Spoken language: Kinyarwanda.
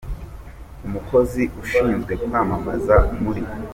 Umukozi ushinzwe kwamamaza muri.